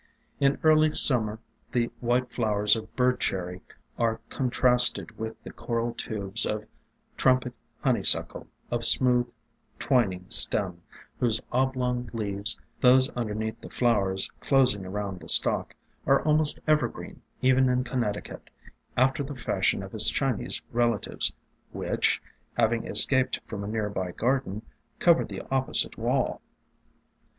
In early Summer the white flowers of Bird Cherry are con trasted with the coral tubes of Trumpet Honey suckle of smooth, twining stem, whose oblong leaves, those underneath the flowers closing around the stalk, are almost evergreen even in Connec ticut, after the fashion of its Chinese relatives,— which, having escaped from a near by garden, cover the opposite wall.